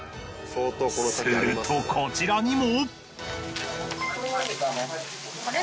するとこちらにも。